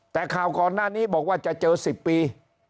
แต่ข่าวก่อนหน้านี้บอกว่าจะเจอ๑๐ปี